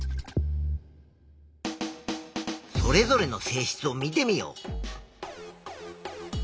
それぞれの性質を見てみよう。